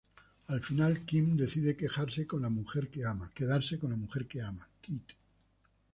Al final Kim decide quedarse con la mujer que ama, Kit.